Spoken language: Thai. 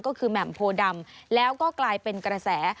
ก็คือแหม่มโพดำแล้วก็กลายเป็นกระแส